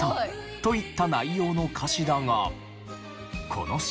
といった内容の歌詞だがこの詞